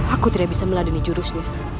aku tidak bisa meladani jurusmu